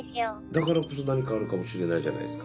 だからこそ何かあるかもしれないじゃないですか。